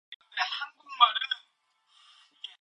국가안전보장회의는 대통령이 주재한다.